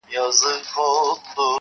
o فکر اوچت غواړمه قد خم راکه,